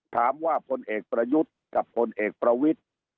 ถามว่าคนเอกประยุทธ์กับคนเอกประวิทธิ์